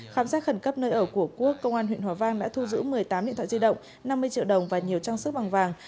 khám xét khẩn cấp nơi ở của quốc công an huyện hòa vang đã thu giữ một mươi tám điện thoại di động năm mươi triệu đồng và nhiều trang sức bằng vàng